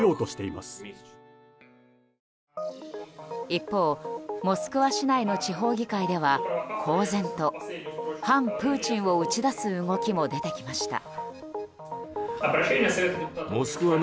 一方、モスクワ市内の地方議会では公然と、反プーチンを打ち出す動きも出てきました。